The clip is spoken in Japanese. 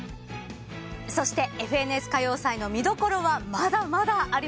そして『ＦＮＳ歌謡祭』の見どころはまだまだあります。